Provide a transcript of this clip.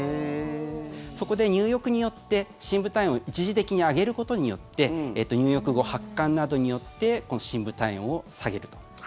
そこで、入浴によって深部体温を一時的に上げることによって入浴後、発汗などによってこの深部体温を下げると。